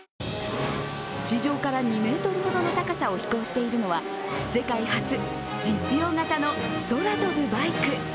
地上から２ｍほどの高さを飛行しているのは世界初、実用型の空飛ぶバイク。